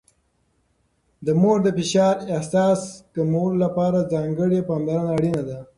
د مور د فشار احساس کمولو لپاره ځانګړې پاملرنه اړینه ده.